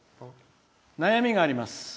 悩みがあります。